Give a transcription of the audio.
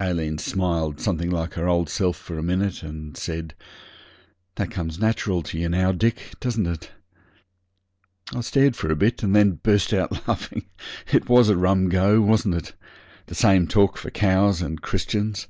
Aileen smiled something like her old self for a minute, and said 'That comes natural to you now, Dick, doesn't it?' I stared for a bit, and then burst out laughing. It was a rum go, wasn't it? The same talk for cows and Christians.